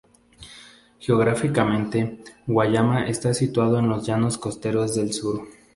Geográficamente, Guayama está situado en los llanos costeros del sur.